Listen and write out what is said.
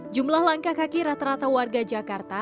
jumlah langkah kaki rata rata warga jakarta